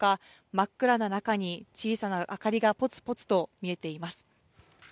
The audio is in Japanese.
真っ暗な中に小さな明かりがぽつぽつと見えています。